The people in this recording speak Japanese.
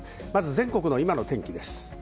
全国の今の天気です。